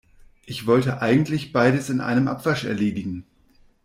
Ich wollte eigentlich beides in einem Abwasch erledigen.